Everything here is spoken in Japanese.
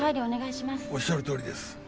おっしゃるとおりです。